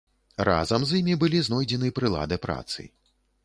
Разам з імі былі знойдзены прылады працы.